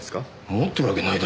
持ってるわけないだろ。